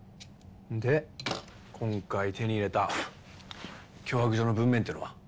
で今回手に入れた脅迫状の文面っていうのは？